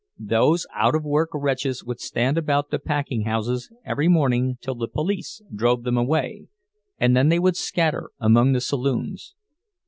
Those out of work wretches would stand about the packing houses every morning till the police drove them away, and then they would scatter among the saloons.